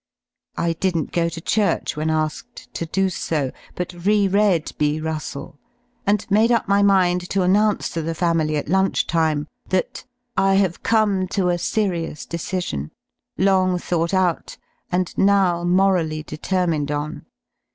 I didn't go to 50 church when asked to do so, but re read B. Russell, and ]. J made up my mind to announce to the family at lunch \_ time that "I have come to a serious decision, long thought y \^ .^jM out, and now morally determined on.